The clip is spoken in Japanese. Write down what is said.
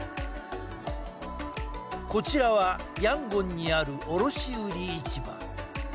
こちらはヤンゴンにある卸売市場。